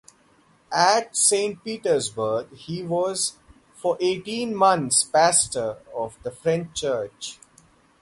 At Saint Petersburg he was for eighteen months pastor of the French church.